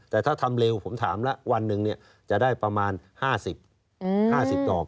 แต่ถ้าทำเร็วผมถามแล้ววันหนึ่งจะได้ประมาณ๕๐๕๐ดอก